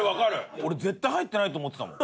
俺、絶対入ってないって思ってたもん。